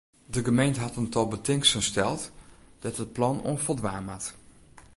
De gemeente hat in tal betingsten steld dêr't it plan oan foldwaan moat.